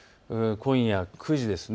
今夜９時ですね。